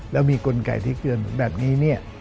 แล้วมีกลไกที่เกลือนถึงแบบนี้